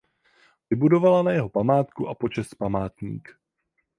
Vybudovala na jeho památku a počest památník.